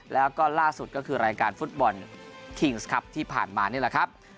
แล้วก็ล่าสุดก็คือรายการฟุตบอลคิงส์ครับที่ผ่านมานี่แหละครับ